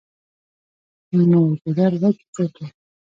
نو ګودر وچ پروت وو ـ